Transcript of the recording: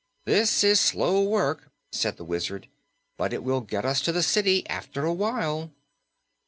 "This is slow work," said the Wizard, "but it will get us to the city after a while."